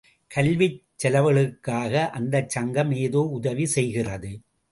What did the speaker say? கல்விச் செலவுகளுக்காக அந்தச் சங்கம் ஏதோ உதவி செய்கிறது.